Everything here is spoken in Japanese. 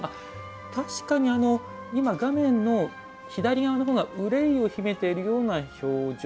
確かに今、画面の左側の方が憂いを秘めているような表情。